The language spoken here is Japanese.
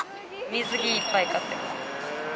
水着いっぱい買ってます。